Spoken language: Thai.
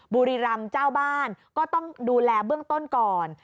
บุรีรำเจ้าบ้านก็ต้องดูแลเบื้องต้นก่อน